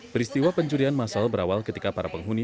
peristiwa pencurian masal berawal ketika para penghuni